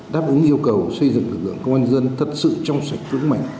đáp ứng yêu cầu xây dựng lực lượng công an dân thật sự trong sạch vững mạnh